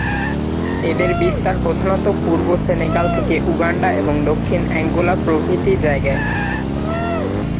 এদের বিস্তার প্রধানত পূর্ব সেনেগাল থেকে উগান্ডা এবং দক্ষিণ অ্যাঙ্গোলা প্রভৃতি জায়গায়।